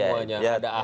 ada aha ada pabu